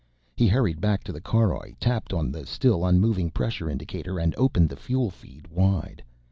He hurried back to the caroj, tapped on the still unmoving pressure indicator and opened the fuel feed wide.